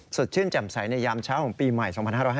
สดชื่นแจ่มใสในยามเช้าของปีใหม่๒๕๕๙